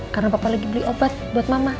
karena papa lagi beli obat buat mama